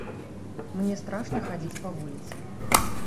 Мне страшна хадзіць па вуліцы.